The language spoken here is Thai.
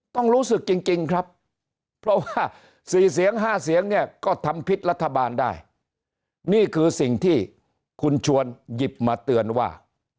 ต้องรู้สึกจริงครับเพราะว่า๔เสียง๕เสียงเนี่ยก็ทำพิษรัฐบาลได้นี่คือสิ่งที่คุณชวนหยิบมาเตือนว่า